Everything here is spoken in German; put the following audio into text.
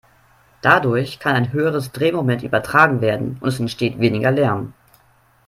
Dadurch kann ein höheres Drehmoment übertragen werden und es entsteht weniger Lärm.